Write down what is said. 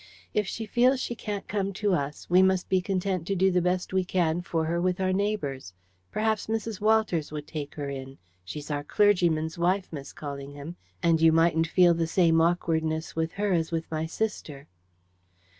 "If she feels she can't come to us, we must be content to do the best we can for her with our neighbours. Perhaps Mrs. Walters would take her in: she's our clergyman's wife, Miss Callingham, and you mightn't feel the same awkwardness with her as with my sister."